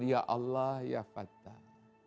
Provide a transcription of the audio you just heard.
ya allah ya fatah